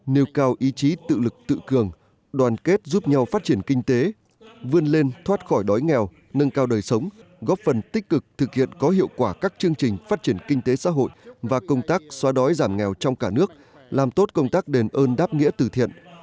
nêu cao ý chí tự lực tự cường đoàn kết giúp nhau phát triển kinh tế vươn lên thoát khỏi đói nghèo nâng cao đời sống góp phần tích cực thực hiện có hiệu quả các chương trình phát triển kinh tế xã hội và công tác xóa đói giảm nghèo trong cả nước làm tốt công tác đền ơn đáp nghĩa từ thiện